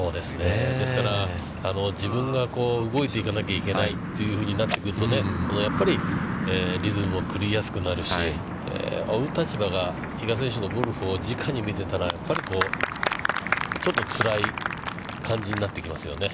ですから、自分が動いていかなきゃいけないというふうになっていくと、やっぱりリズムも狂いやすくなるし、追う立場が、比嘉選手のゴルフをじかに見ていたら、やっぱりこうちょっとつらい感じになってきますよね。